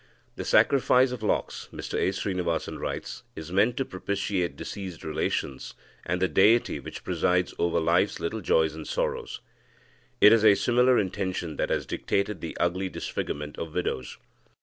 "The sacrifice of locks," Mr A. Srinivasan writes, "is meant to propitiate deceased relations, and the deity which presides over life's little joys and sorrows. It is a similar intention that has dictated the ugly disfigurement of widows.